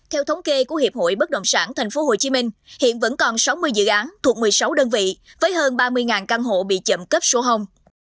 theo thống kê của hiệp hội bất động sản tp hcm hiện vẫn còn sáu mươi dự án thuộc một mươi sáu đơn vị với hơn ba mươi căn hộ bị chậm cấp sổ hồng